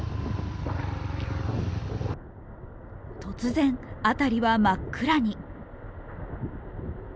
突然、辺りは真っ暗に。